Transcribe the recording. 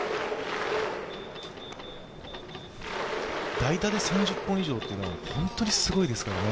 代打で３０本以上というのは本当にすごいですからね。